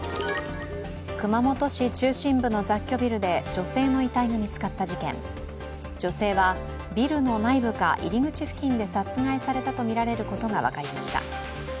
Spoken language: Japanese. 熊本市中心部の雑居ビルで女性の遺体が見つかった事件女性はビルの内部か入り口付近で殺害されたとみられることが分かりました。